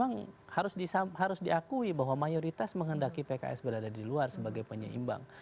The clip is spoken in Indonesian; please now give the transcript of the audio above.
memang harus diakui bahwa mayoritas menghendaki pks berada di luar sebagai penyeimbang